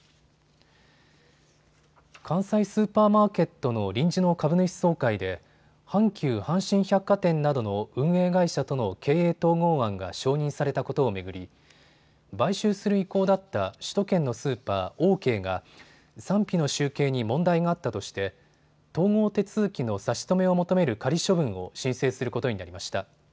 関西スーパーマーケットの臨時の株主総会で阪急阪神百貨店などの運営会社との経営統合案が承認されたことを巡り、買収する意向だった首都圏のスーパー、オーケーが賛否の集計に問題があったとして統合手続きの差し止めを求める仮処分を申請することになりました。